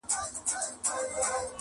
په ما ډکي خزانې دي لوی بانکونه-